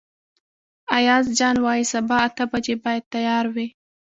ایاز جان وايي سبا اته بجې باید تیار وئ.